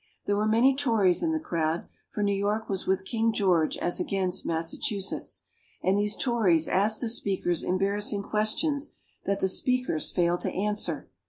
There were many Tories in the crowd, for New York was with King George as against Massachusetts, and these Tories asked the speakers embarrassing questions that the speakers failed to answer.